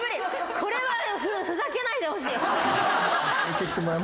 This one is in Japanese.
これはふざけないでほしい。